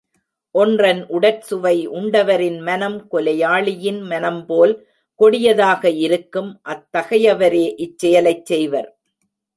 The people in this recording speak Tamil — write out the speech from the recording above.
ஒன்றன் உடற்சுவை உண்டவரின் மனம் கொலையாளியின் மனம்போல் கொடியதாக இருக்கும் அத் தகையவரே இச் செயலைச் செய்வர்.